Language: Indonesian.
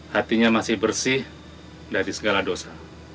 hatinya masih bersih dari segala dosa